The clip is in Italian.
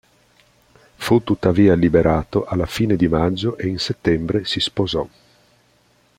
Fu tuttavia liberato alla fine di maggio e in settembre si sposò.